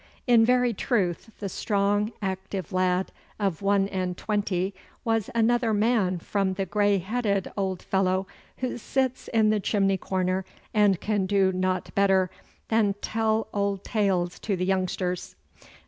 In very truth the strong active lad of one and twenty was another man from the grey headed old fellow who sits in the chimney corner and can do naught better than tell old tales to the youngsters.